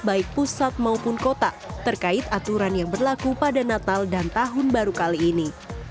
baik pusat maupun kota terkait aturan yang berlaku pada natal dan tahun baru kali ini